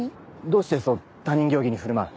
どうしてそう他人行儀に振る舞う？